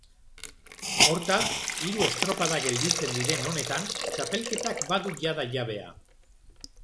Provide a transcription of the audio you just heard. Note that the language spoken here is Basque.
Hortaz, hiru estropada gelditzen diren honetan, txapelketak badu jada jabea.